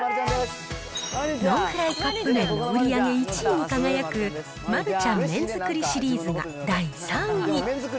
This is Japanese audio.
ノンフライカップ麺の売り上げ１位に輝くマルちゃん麺づくりシリーズが第３位に。